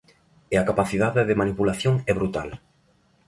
E a capacidade de manipulación é brutal.